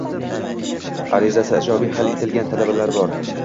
Arizasi ijobiy hal etilgan talabalar bor.